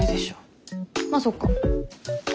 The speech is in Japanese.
まあそっか。